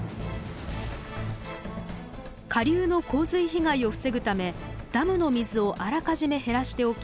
下流の洪水被害を防ぐためダムの水をあらかじめ減らしておき